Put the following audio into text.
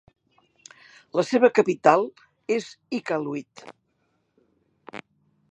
La seva capital es Iqaluit.